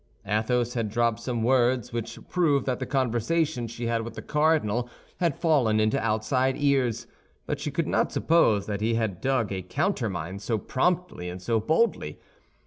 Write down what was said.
Athos had dropped some words which proved that the conversation she had with the cardinal had fallen into outside ears; but she could not suppose that he had dug a countermine so promptly and so boldly.